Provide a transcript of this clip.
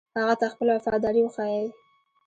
هغه ته خپله وفاداري وښيي.